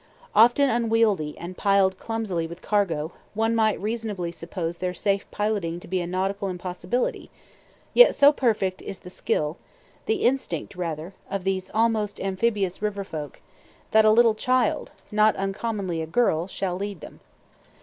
Often unwieldy, and piled clumsily with cargo, one might reasonably suppose their safe piloting to be a nautical impossibility; yet so perfect is the skill the instinct, rather of these almost amphibious river folk, that a little child, not uncommonly a girl, shall lead them.